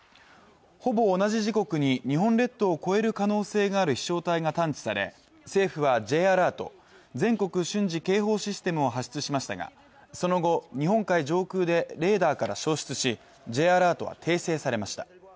ほぼ同じ時刻に日本列島を越える可能性がある飛翔体が探知され政府はＪアラート＝全国瞬時警報システムを発出しましたがその後日本海上空でレーダーから消失しＪアラートは訂正されました